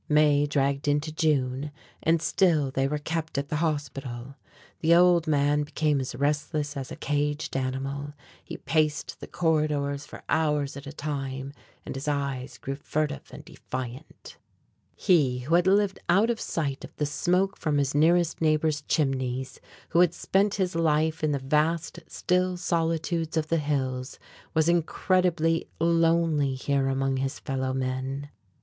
May dragged into June, and still they were kept at the hospital. The old man became as restless as a caged animal; he paced the corridors for hours at a time and his eyes grew furtive and defiant. He, who had lived out of sight of the smoke from his nearest neighbor's chimneys, who had spent his life in the vast, still solitudes of the hills, was incredibly lonely here among his fellow men.